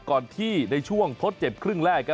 ก่อนที่ในช่วงทดเจ็บครึ่งแรก